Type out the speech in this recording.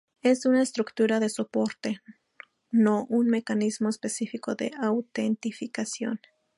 Es una estructura de soporte, no un mecanismo específico de autenticación.